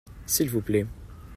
s'il vous plait.